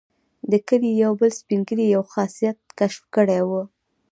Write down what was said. د کلي یو بل سپین ږیري یو خاصیت کشف کړی وو.